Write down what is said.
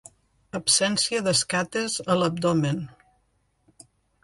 Absència d'escates a l'abdomen.